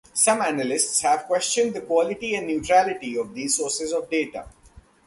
Some analysts have questioned the quality and neutrality of these sources of data.